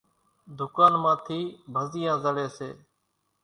ۮُڪانَ مان ٿِي ڀزِيان زڙيَ سي۔